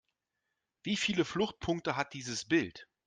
Wie viele Fluchtpunkte hat dieses Bild?